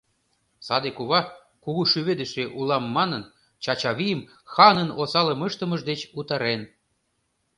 Саде кува, кугу шӱведыше улам манын, Чачавийым ханын осалым ыштымыж деч утарен.